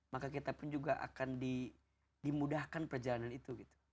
maka kita pun juga akan dimudahkan perjalanan itu